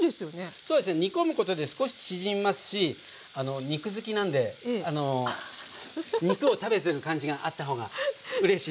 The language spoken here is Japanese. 煮込むことで少し縮みますし肉好きなんで肉を食べてる感じがあった方がうれしいです。